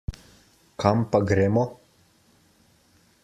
Kam pa gremo?